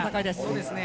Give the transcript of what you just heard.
そうですね。